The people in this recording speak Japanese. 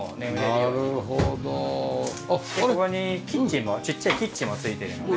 でここにちっちゃいキッチンも付いてるので。